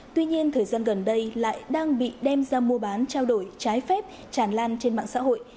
tuy nhiên thời gian gần đây lại đang bị đem ra mua bán trao đổi trái phép tràn lan trên mạng xã hội